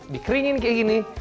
dikeringin kayak gini